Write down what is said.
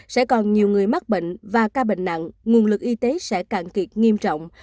sẽ còn nhiều người mắc bệnh và ca bệnh nặng nguồn lực y tế sẽ cạn kiệt nghiêm trọng